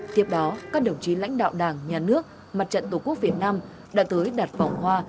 tiếp đó các đồng chí lãnh đạo đảng nhà nước mặt trận tổ quốc việt nam đã tới đặt vòng hoa